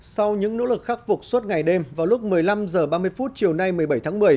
sau những nỗ lực khắc phục suốt ngày đêm vào lúc một mươi năm h ba mươi chiều nay một mươi bảy tháng một mươi